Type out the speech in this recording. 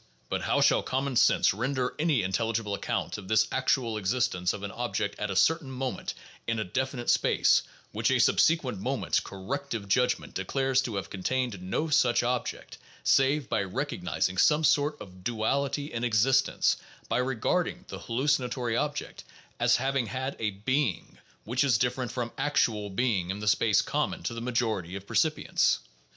But how shall common sense render any intelligible account of this actual existence of an object at a certain moment in a definite space which a subsequent moment's corrective judgment declares to have contained no such object, save by recognizing some sort of duality in existence, by regarding the hallucinatory object as having had a being which is different from actual being in the space common to the majority of percipients?